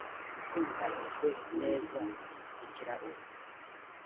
itunganyijwe neza nk ikirahuri